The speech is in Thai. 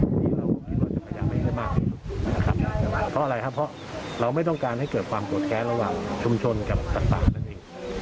เดี๋ยวเราจะช่วยกันผลักนั้นให้สัตว์ปากเข้าไป